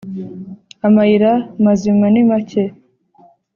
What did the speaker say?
amayira mazima ni make